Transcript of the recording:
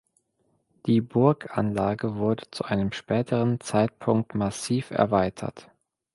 Die Burganlage wurde zu einem späteren Zeitpunkt massiv erweitert.